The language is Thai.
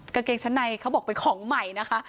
กางเกงชั้นในเขาบอกเป็นของใหม่นะคะ